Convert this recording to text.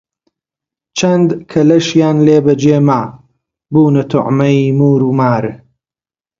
چەند کەلەشیان لێ بە جێ ما، بوونە توعمەی موور و مار